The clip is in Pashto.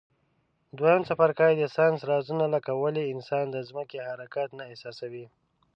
دویم څپرکی د ساینس رازونه لکه ولي انسان د ځمکي حرکت نه احساسوي.